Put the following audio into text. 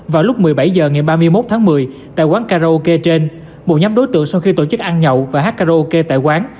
vào lúc một mươi bảy h ngày ba mươi một tháng một mươi tại quán karaoke trên một nhóm đối tượng sau khi tổ chức ăn nhậu và hát karaoke tại quán